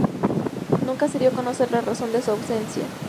Nunca se dio a conocer la razón de su ausencia.